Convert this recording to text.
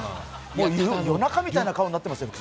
夜中みたいな顔になってますよ。